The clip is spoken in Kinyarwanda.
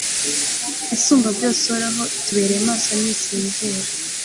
isumbabyose ihora itubereye maso ntisinzira